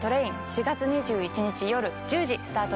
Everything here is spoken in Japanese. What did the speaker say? ４月２１日夜１０時スタートです